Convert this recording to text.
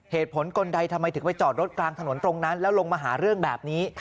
เหตุผลคนใดทำไมถึงไปจอดรถกลางถนนตรงนั้นแล้วลงมาหาเรื่องแบบนี้